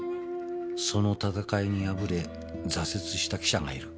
「その戦いに敗れ挫折した記者がいる」